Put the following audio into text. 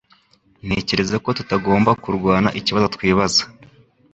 Ntekereza ko tutagomba kurwana ikibazo twibaza